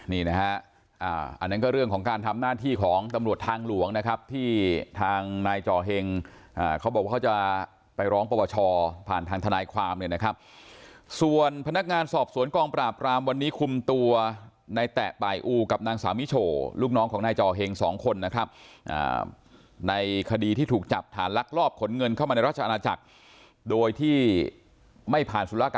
นี่นะฮะอันนั้นก็เรื่องของการทำหน้าที่ของตำรวจทางหลวงนะครับที่ทางนายจอเฮงเขาบอกว่าเขาจะไปร้องปวชผ่านทางทนายความเนี่ยนะครับส่วนพนักงานสอบสวนกองปราบรามวันนี้คุมตัวในแตะป่ายอูกับนางสาวมิโชลูกน้องของนายจอเฮงสองคนนะครับในคดีที่ถูกจับฐานลักลอบขนเงินเข้ามาในราชอาณาจักรโดยที่ไม่ผ่านสุร